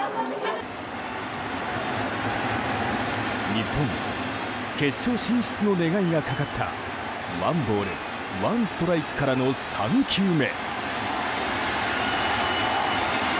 日本、決勝進出の願いがかかったワンボールワンストライクからの３球目。